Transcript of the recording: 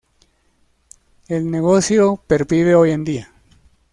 El negocio pervive hoy en día.